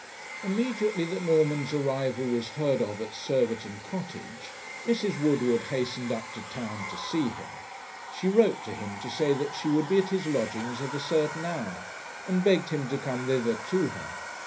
Immediately that Norman's arrival was heard of at Surbiton Cottage, Mrs. Woodward hastened up to town to see him. She wrote to him to say that she would be at his lodgings at a certain hour, and begged him to come thither to her.